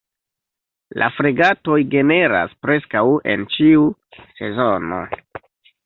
La fregatoj generas preskaŭ en ĉiu sezono.